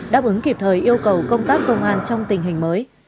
đáp ứng kịp thời yêu cầu công tác công an trong tình hình mới